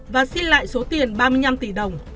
và xin lại số tiền ba mươi năm tỷ đồng